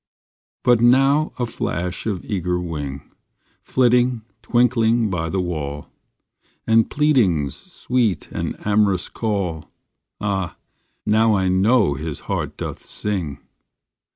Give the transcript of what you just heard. But now a flash of eager wing, Flitting, twinkling by the wall, And pleadings sweet and ain rous call, Ah, now I know his heart doth sing!